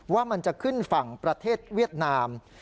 ว่ามันจะขึ้นฝั่งประเทศเวียดนาม